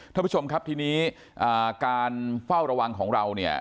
ท่านผู้ชมครับทีนี้การเฝ้าระวังของเราเนี่ย